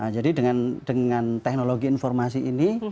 jadi dengan teknologi informasi ini